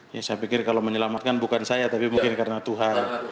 ya saya pikir kalau menyelamatkan bukan saya tapi mungkin karena tuhan